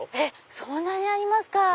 そんなにありますか！